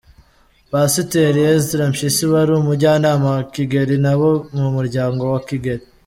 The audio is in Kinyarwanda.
Pasiteri Ezra Mpyisi wari umujyanama wa Kigeli nabo mumuryango wa Kigeli